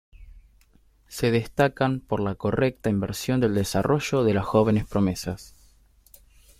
Se destacan por la correcta inversión del desarrollo de las jóvenes promesas.